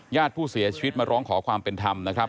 ญาติผู้เสียชีวิตมาร้องขอความเป็นธรรมนะครับ